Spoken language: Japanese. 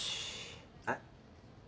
えっ？